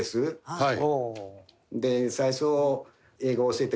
はい。